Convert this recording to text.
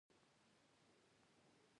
نه، نژدې دی